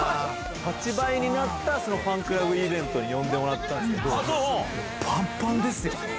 ８倍になったそのファンクラブイベントに呼んでもらったんですけど。